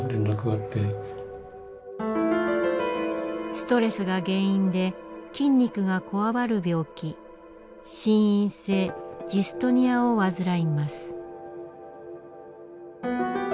ストレスが原因で筋肉がこわばる病気心因性ジストニアを患います。